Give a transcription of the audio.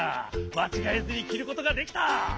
まちがえずにきることができた。